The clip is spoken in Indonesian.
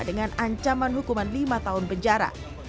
dengan ancaman hukuman lima tahun penjara